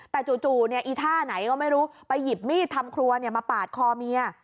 แต่จู่อีท่าไหนก็ไม่รู้ไปหยิบมีดทำครัวมาปาดคอเมีย